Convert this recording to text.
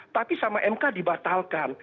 tapi sama mk dibatalkan